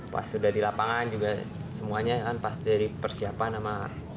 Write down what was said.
pas sudah di lapangan juga semuanya kan pas dari persiapan sama